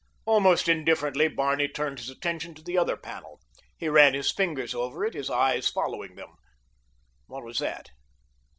Almost indifferently Barney turned his attention to the other panel. He ran his fingers over it, his eyes following them. What was that?